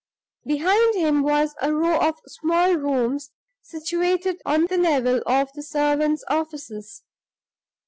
Behind him was a row of small rooms situated on the level of the servants' offices.